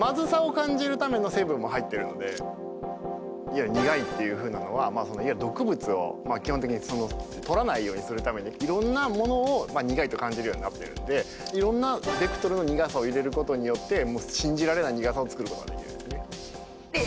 いわゆる苦いっていうふうなのは毒物を基本的にとらないようにするためにいろんなものを苦いと感じるようになってるんでいろんなベクトルの苦さを入れることによってもう信じられない苦さを作ることができるんですね。